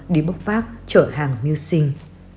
đi bốc vác chở hàng mưu sinh